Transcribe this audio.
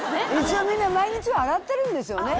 一応みんな毎日洗ってるんですよね。